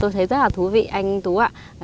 tôi thấy rất là thú vị anh tú ạ